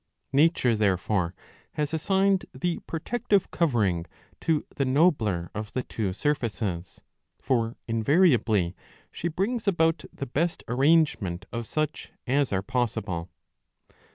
Nature there fore has assigned the protective covering to the nobler of the two surfaces ;2 for invariably she brings about the best arrangement of such as are possible.